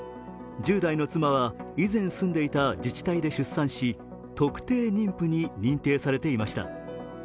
１０代の妻は以前住んでいた自治体で出産し、特定妊婦に認定されていました。